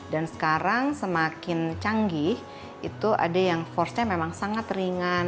dan sekarang semakin canggih itu ada yang forcenya memang sangat ringan